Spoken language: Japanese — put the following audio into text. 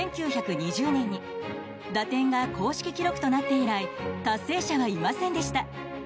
１９２０年に打点が公式記録となって以来達成者はいませんでした。